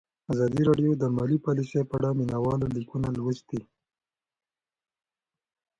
ازادي راډیو د مالي پالیسي په اړه د مینه والو لیکونه لوستي.